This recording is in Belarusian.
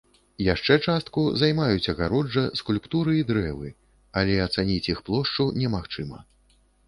Яшчэ частку займаюць агароджа, скульптуры і дрэвы, але ацаніць іх плошчу немагчыма.